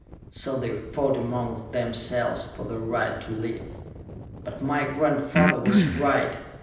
So they fought among themselves for the right to live. "But my grandfather was right!"